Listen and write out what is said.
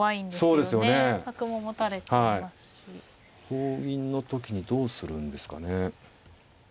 同銀の時にどうするんですかね。